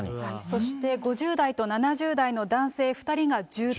そして５０代と７０代の男性２人が重篤。